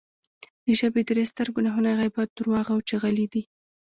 د ژبې درې ستر ګناهونه غیبت، درواغ او چغلي دی